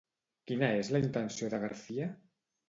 Quina és la intenció de García?